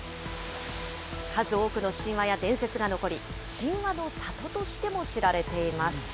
数多くの神話や伝説が残り、神話の里としても知られています。